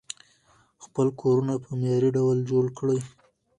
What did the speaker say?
خپل کورونه په معیاري ډول جوړ کړئ.